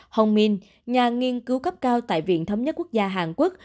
hong min nhà nghiên cứu cấp cao tại viện thống nhất quốc gia hàn quốc